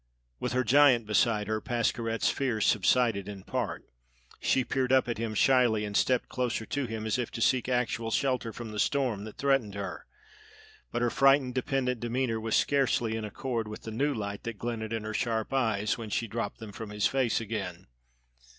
With her giant beside her, Pascherette's fears subsided in part. She peered up at him shyly and stepped closer to him, as if to seek actual shelter from the storm that threatened her; but her frightened, dependent demeanor was scarcely in accord with the new light that glinted in her sharp eyes when she dropped them from his face again.